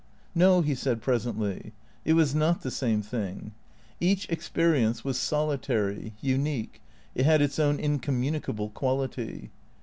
No, he said presently, it was not the same thing. Each ex perience was solitary, unique, it had its own incommunicable quality.